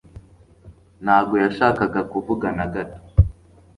ntago yashakaga kuvuga na gato